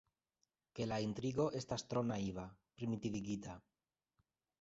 Ke la intrigo estas tro naiva, primitivigita.